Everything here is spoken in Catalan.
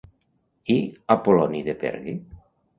I Apol·loni de Perge?